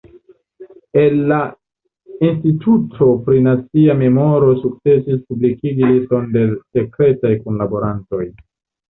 El la Instituto pri Nacia Memoro sukcesis publikigi liston de sekretaj kunlaborantoj.